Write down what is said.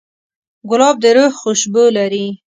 ګلاب د روح خوشبو لري.